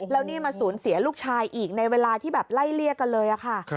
แล้วนี่มาสูญเสียลูกชายอีกในเวลาที่แบบไล่เลี่ยกันเลยค่ะ